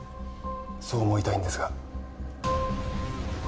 そう思いたいんですが。